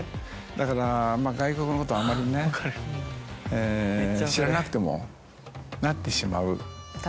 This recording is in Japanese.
だから外国のことはあまりね知らなくてもなってしまう。